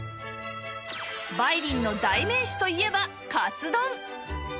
梅林の代名詞といえばカツ丼